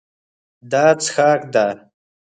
دا څښاک ده.